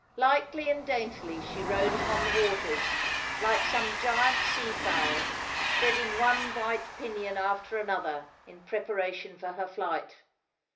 Lightly and daintily she rode upon the waters, like some giant seafowl, spreading one white pinion after another in preparation for her flight.